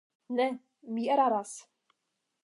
Ne, mi eraras.